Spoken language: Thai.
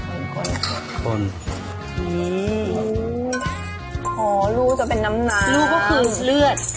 อ๋อลูกจะเป็นน้ำนานลูกก็คือเลือด